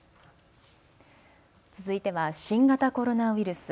続いては新型コロナウイルス。